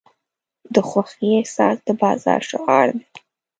د خوښۍ احساس د بازار شعار دی.